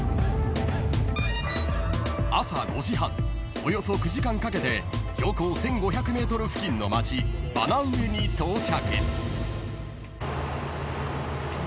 ［およそ９時間かけて標高１，５００ｍ付近の町バナウエに到着］